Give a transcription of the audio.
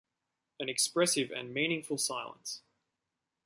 An expressive and meaningful silence.